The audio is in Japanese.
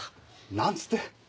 なんつって。